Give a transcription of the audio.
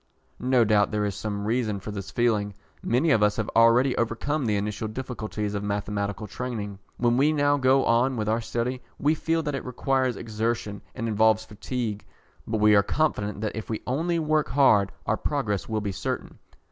No doubt there is some reason for this feeling. Many of us have already overcome the initial difficulties of mathematical training. When we now go on with our study, we feel that it requires exertion and involves fatigue, but we are confident that if we only work hard our progress will be certain.